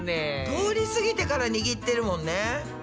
通りすぎてから握ってるもんね。